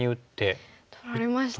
取られましたね。